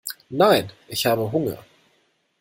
Nein, ich habe Hunger.